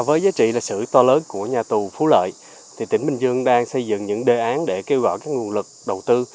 với giá trị là sự to lớn của nhà tù phú lợi tỉnh bình dương đang xây dựng những đề án để kêu gọi các nguồn lực đầu tư